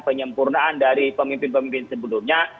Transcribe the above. penyempurnaan dari pemimpin pemimpin sebelumnya